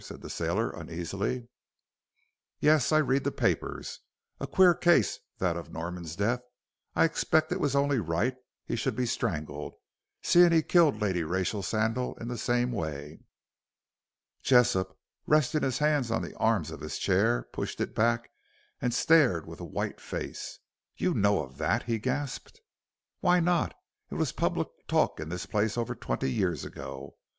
said the sailor, uneasily. "Yes, I read the papers. A queer case that of Norman's death. I expect it was only right he should be strangled seeing he killed Lady Rachel Sandal in the same way." Jessop, resting his hands on the arms of his chair, pushed it back and stared with a white face. "You know of that?" he gasped. "Why not? It was public talk in this place over twenty years ago.